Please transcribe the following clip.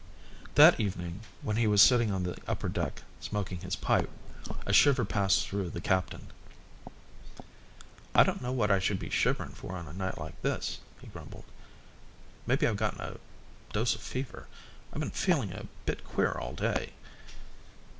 That evening, when he was sitting on the upper deck, smoking his pipe, a shiver passed through the captain. "I don't know what I should be shiverin' for on a night like this," he grumbled. "Maybe I've gotten a dose of fever. I've been feelin' a bit queer all day."